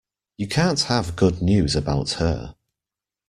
You can't have good news about her.